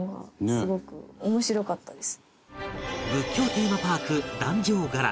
仏教テーマパーク壇上伽藍